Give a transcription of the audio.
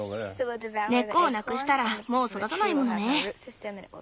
根っこをなくしたらもう育たないものね。